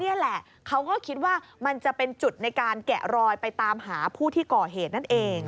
นี่แหละเขาก็คิดว่ามันจะเป็นจุดในการแกะรอยไปตามหาผู้ที่ก่อเหตุนั่นเอง